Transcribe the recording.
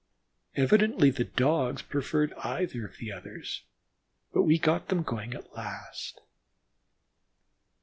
Evidently the Dogs preferred either of the others, but we got them going at last.